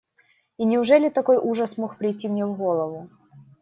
И неужели такой ужас мог прийти мне в голову?